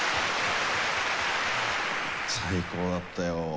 最高だったよ。